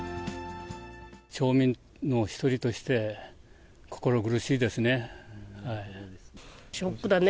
町民の一人として、心苦しいですね。